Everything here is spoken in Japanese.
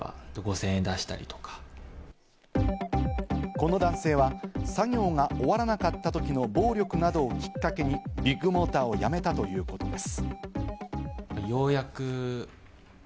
この男性は作業が終わらなかったときの暴力などをきっかけにビッグモーターを辞めたということです。